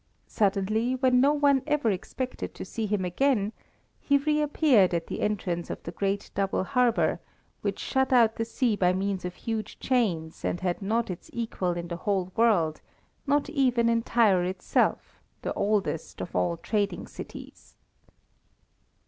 Suddenly, when no one ever expected to see him again, he reappeared at the entrance of the great double harbour, which shut out the sea by means of huge chains, and had not its equal in the whole world, not even in Tyre itself, the oldest of all trading cities.